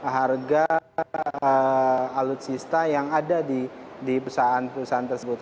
harga alutsista yang ada di perusahaan perusahaan tersebut